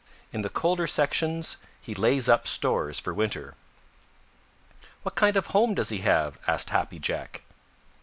In the colder sections he lays up stores for winter." "What kind of a home does he have?" asked Happy Jack.